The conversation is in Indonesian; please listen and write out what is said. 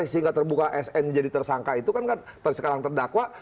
sehingga terbuka sn jadi tersangka itu kan sekarang terdakwa